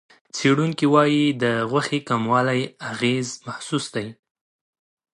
څېړونکي وايي، د غوښې کمولو اغېز محسوس دی.